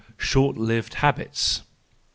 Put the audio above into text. Short lived Habits .